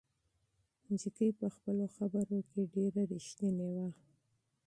نجلۍ په خپلو خبرو کې ډېره صادقه وه.